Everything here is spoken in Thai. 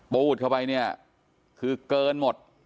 ปูดเข้าไปเนี่ยคือเกินหมด